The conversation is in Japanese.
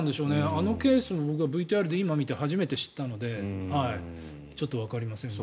あのケースも今、僕ＶＴＲで見て初めて知ったのでちょっとわかりませんが。